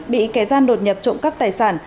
bị kẻ gian đột nhập trộm cắp tài sản